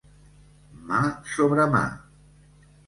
Mà sobre mà.